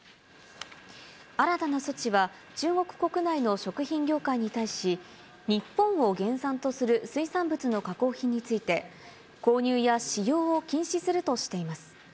新たな措置は中国国内の食品業界に対し、日本を原産とする水産物の加工品について、購入や使用を禁止するとしています。